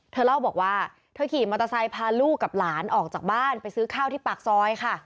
เธอเล่าบอกว่าเธอขี่มอเตอร์ไซค์พาลูกกับหลานออกจากบ้านไปซื้อข้าวที่ปากซอยค่ะ